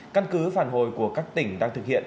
căn cứ phản hồi của các tỉnh đang thực hiện